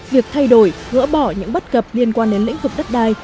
việc thay đổi gỡ bỏ những bất cập liên quan đến lĩnh vực đất đai